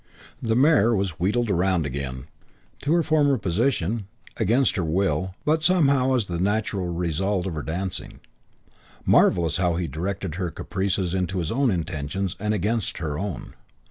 The mare was wheedled round again to her former position; against her will, but somehow as the natural result of her dancing. Marvellous how he directed her caprices into his own intentions and against her own.